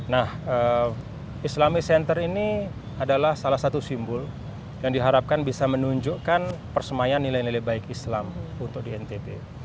nah islamic center ini adalah salah satu simbol yang diharapkan bisa menunjukkan persemaian nilai nilai baik islam untuk di ntb